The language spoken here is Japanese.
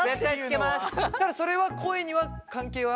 ただそれは声には関係は？